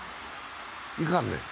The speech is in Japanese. いかんね。